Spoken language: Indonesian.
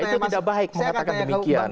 itu tidak baik mengatakan demikian